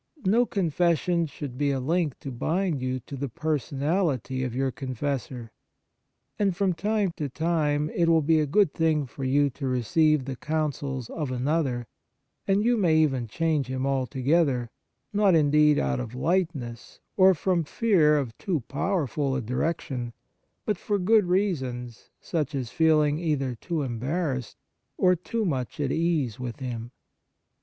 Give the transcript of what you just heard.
No confession should be a link to bind you to the personality of your confessor ; and from time to time it will be a good thing for you to receive the counsels of another; and you may even change him altogether, not, indeed, out of lightness or from fear of too powerful a direction, but for good reasons, such as feeling either too embarrassed or too much at ease with him.